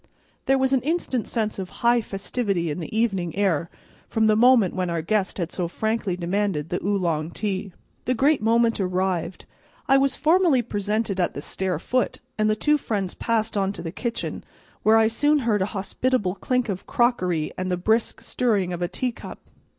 There was an instant sense of high festivity in the evening air from the moment when our guest had so frankly demanded the Oolong tea. The great moment arrived. I was formally presented at the stair foot, and the two friends passed on to the kitchen, where I soon heard a hospitable clink of crockery and the brisk stirring of a tea cup.